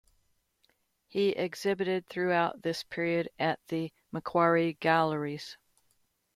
He exhibited throughout this period at the Macquarie Galleries.